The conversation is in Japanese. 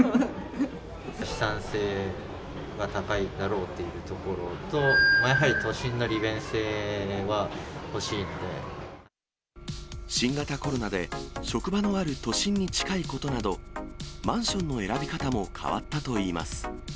資産性が高いだろうというところと、新型コロナで、職場のある都心に近いことなど、マンションの選び方も変わったといいます。